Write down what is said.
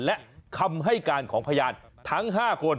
และคำให้การของพยานทั้ง๕คน